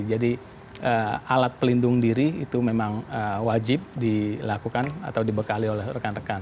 jadi ee alat pelindung diri itu memang wajib dilakukan atau dibekali oleh rekan rekan